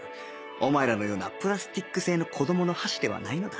お前らのようなプラスチック製の子どもの箸ではないのだ